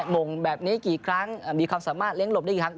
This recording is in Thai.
มงแบบนี้กี่ครั้งมีความสามารถเลี้ยหลบได้อีกครั้ง